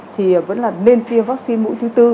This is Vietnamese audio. thì vẫn là nên tiêm vaccine mũi thứ bốn